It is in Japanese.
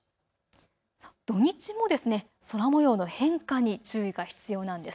土日も空もようの変化に注意が必要なんです。